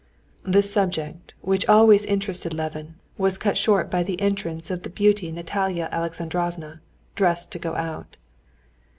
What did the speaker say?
This subject, which always interested Levin, was cut short by the entrance of the beauty Natalia Alexandrovna, dressed to go out.